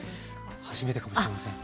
初めてかもしれません。